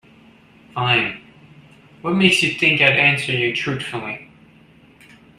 Fine, what makes you think I'd answer you truthfully?